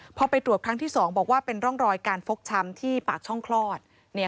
พอไปตรวจครั้งที่๒บอกว่าเป็นร่องรอยการฟกช้ำที่ปากช่องคลอด